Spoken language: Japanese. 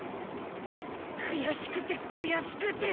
悔しくて悔しくて！